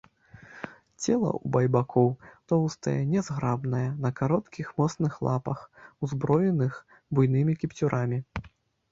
Цела ў байбакоў тоўстае, нязграбнае, на кароткіх, моцных лапах, узброеных буйнымі кіпцюрамі.